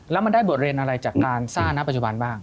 แล้วมันได้บทเรียนอะไรจากการสร้างนะปัจจุบันบ้าง